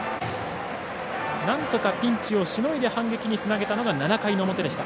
なんとかピンチをしのいで反撃につなげたのが７回表でした。